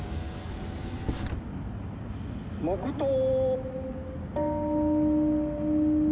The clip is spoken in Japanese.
「黙とう」。